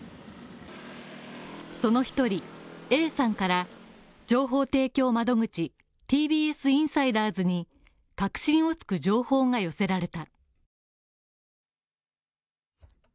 その１人、Ａさんから情報提供窓口、ＴＢＳインサイダーズに核心を突く情報が寄せられた。